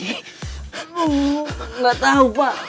enggak tahu pak